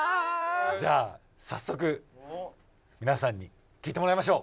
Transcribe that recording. じゃあさっそくみなさんにきいてもらいましょう！